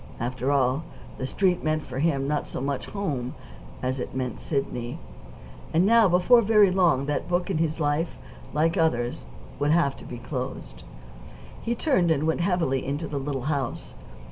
After all, the Street meant for him not so much home as it meant Sidney. And now, before very long, that book of his life, like others, would have to be closed. He turned and went heavily into the little house.